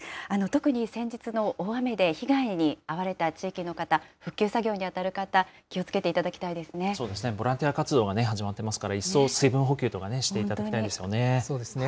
特に先日の大雨で被害に遭われた地域の方、復旧作業に当たる方、そうですね、ボランティア活動が始まってますから、一層、水分補給とかね、しそうですよね。